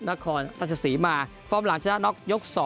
นครราชศรีมาฟอร์มหลังชนะน็อกยก๒